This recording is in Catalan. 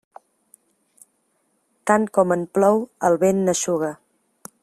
Tant com en plou, el vent n'eixuga.